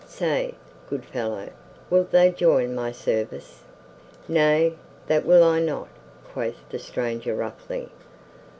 Say, good fellow, wilt thou join my service?" "Nay, that will I not," quoth the stranger roughly.